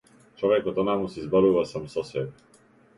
Човекот онаму си зборува сам со себе.